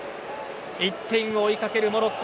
１点を追いかけるモロッコ。